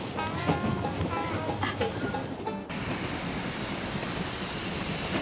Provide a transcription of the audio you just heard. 失礼します。